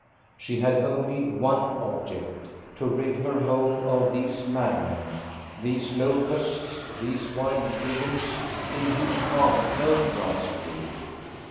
She had only one object, — to rid her home of these madmen, these locusts, these wild brigands, in whose path no grass grew.